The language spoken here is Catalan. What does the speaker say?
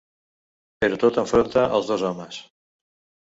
Però tot enfronta els dos homes.